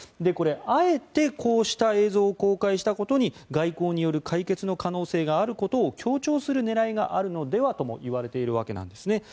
これ、あえてこうした映像を公開したことに外交による解決の可能性があることを強調する狙いがあるのではとも言われているわけです。